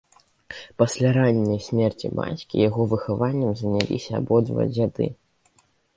Пасля ранняй смерці бацькі яго выхаваннем заняліся абодва дзяды.